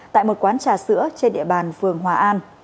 tại một quán trà sữa trên địa bàn phường hòa an